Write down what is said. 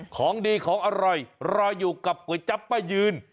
ของดีของอร่อยรออยู่กับก๋วยจับป้ายืน